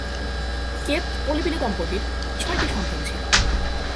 কেত-ওলেবিলে দম্পতির ছয়টি সন্তান ছিল।